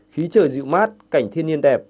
khí trời dịu mát cảnh thiên nhiên đẹp